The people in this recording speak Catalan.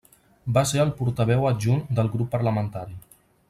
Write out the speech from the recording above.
Va ser el portaveu adjunt del grup parlamentari.